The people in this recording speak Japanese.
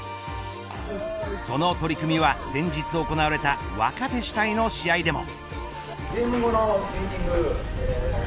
その取り組みは先日行われた若手主体の試合でも。